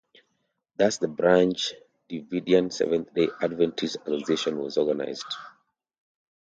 Thus the Branch Davidian Seventh-day Adventist Association was organized.